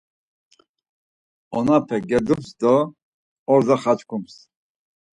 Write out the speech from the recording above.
Onape gedums do orza xaçkums.